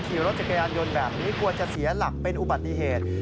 ขี่รถจักรยานยนต์แบบนี้กลัวจะเสียหลักเป็นอุบัติเหตุ